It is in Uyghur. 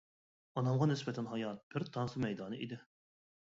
ئانامغا نىسبەتەن، ھايات بىر تانسا مەيدانى ئىدى.